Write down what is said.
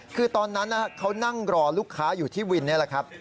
คือตอนนั้นเขานั่งรอลูกค้าอยู่ที่วินนี่แหละครับ